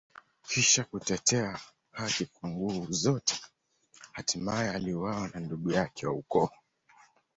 Kisha kutetea haki kwa nguvu zote, hatimaye aliuawa na ndugu yake wa ukoo.